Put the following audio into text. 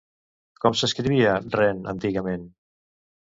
Com s'escrivia Ren antigament?